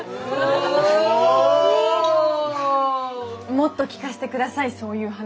もっと聞かせて下さいそういう話。